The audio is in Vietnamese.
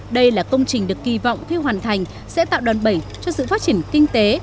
đây là công trình được kỳ vọng khi hoàn thành sẽ tạo đòn bẩy cho sự phát triển kinh tế